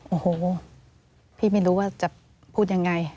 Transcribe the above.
โอ้โหพี่ไม่รู้ว่าจะพูดยังไง